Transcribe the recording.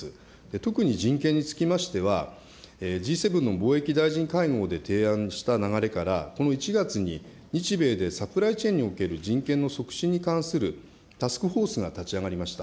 特に人権につきましては、Ｇ７の貿易大臣会合で提案した流れから、この１月に日米でサプライチェーンにおける、人権の促進に関するタスクフォースが立ち上がりました。